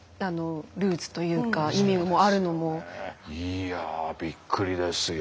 いやびっくりですよ。